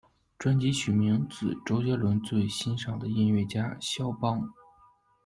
专辑取名自周杰伦最欣赏的音乐家萧邦。